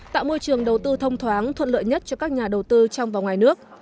tạo môi trường đầu tư thông thoáng thuận lợi nhất cho các nhà đầu tư trong và ngoài nước